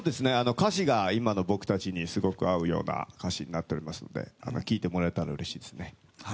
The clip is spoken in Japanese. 歌詞が今の僕たちにすごく合うような歌詞になっておりますので聴いてもらえたらうれしいですね。